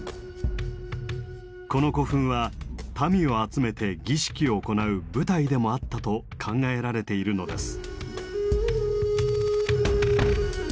この古墳は民を集めて儀式を行う「舞台」でもあったと考えられているのです。